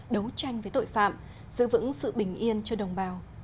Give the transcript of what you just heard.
đấu tranh với tội phạm giữ vững sự bình yên cho đồng bào